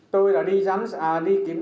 tôi đã đi kiểm tra và giải quyết